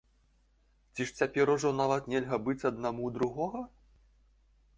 Ці ж цяпер ужо нават нельга быць аднаму ў другога?